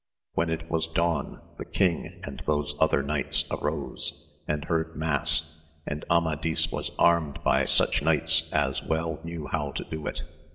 When it was dawn the king and those other knigl^s arose, and heard mass, and Amadis was armed by such knights as well knew how to do it!